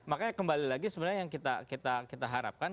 makanya kembali lagi sebenarnya yang kita harapkan